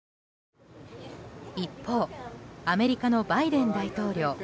一方、アメリカのバイデン大統領。